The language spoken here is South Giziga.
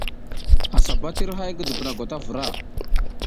Assa ɓa tir hay ngi dubuna gwata a vra.